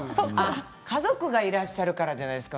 家族がいらっしゃるからじゃないですか。